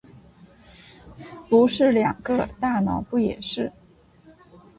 不是两个？大脑不也是？